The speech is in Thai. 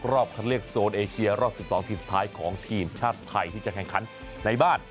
รอบคันเลือกโซนเอเชียรอบ๑๒ทีมสุดท้ายของทีมชาติไทยที่จะแข่งขันในบ้าน